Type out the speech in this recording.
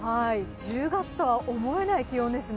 １０月とは思えない気温ですね。